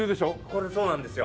これそうなんですよ。